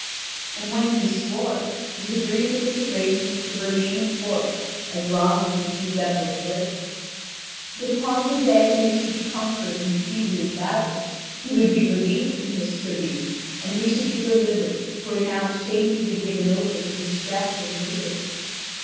And when he swore, it was agreed that this arrangement should remain in force as long as the two devils lived. But upon the day when they should be conquered and defeated in battle, he would be relieved from this tribute, and we should be delivered who are now shamefully given over to distress and misery.